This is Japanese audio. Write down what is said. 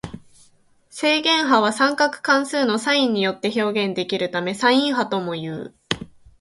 正弦波は三角関数のサインによって表現できるためサイン波ともいう。